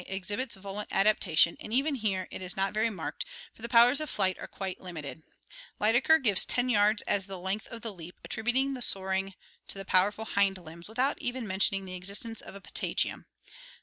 exhibits volant adaptation and even here it is not very marked, for the powers of flight are quite limited. Lydekker gives 10 yards as the length of the leap, attributing the soaring to the powerful hind limbs, without even mentioning the existence of a patagium.